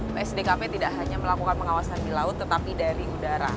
psdkp tidak hanya melakukan pengawasan di laut tetapi dari udara